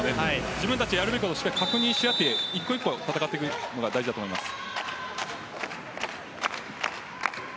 自分たちのやるべきことを確認しながら１個１個戦っていくことが大事だと思います。